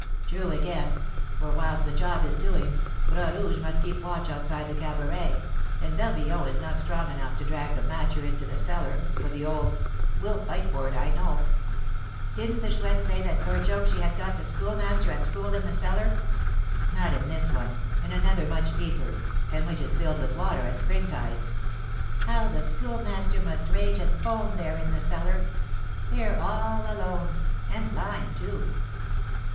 "True, again; for, whilst the job is doing, Bras Rouge must keep watch outside the cabaret, and Barbillon is not strong enough to drag the matcher into the cellar, for the old will fight for it, I know!" "Didn't the Chouette say that, for a joke, she had got the Schoolmaster at 'school' in the cellar?" "Not in this one; in another much deeper, and which is filled with water at spring tides." "How the Schoolmaster must rage and foam there in the cellar! There all alone, and blind, too!"